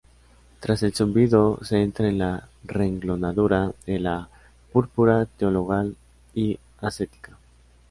tras el zumbido, se entra en la renglonadura de la púrpura teologal y ascética